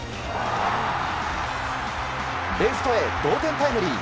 レフトへ同点タイムリー。